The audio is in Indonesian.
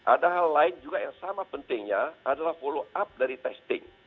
ada hal lain juga yang sama pentingnya adalah follow up dari testing